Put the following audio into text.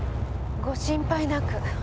ご心配なく。